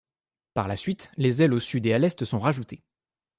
Par la suite, les ailes au sud et à l'est sont rajoutés.